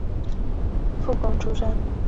附贡出身。